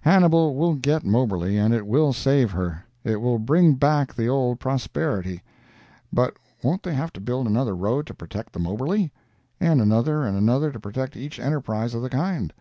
Hannibal will get Moberly, and it will save her. It will bring back the old prosperity. But won't they have to build another road to protect the Moberly? and another and another to protect each enterprise of the kind?